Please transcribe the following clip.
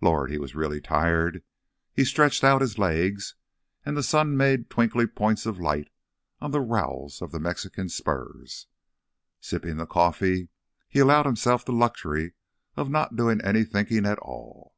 Lord, he was really tired. He stretched out his legs, and the sun made twinkly points of light on the rowels of the Mexican spurs. Sipping the coffee, he allowed himself the luxury of not doing any thinking at all.